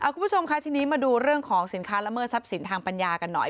คุณผู้ชมค่ะทีนี้มาดูเรื่องของสินค้าละเมิดทรัพย์สินทางปัญญากันหน่อย